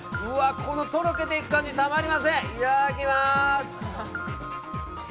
とろけていく感じたまりません。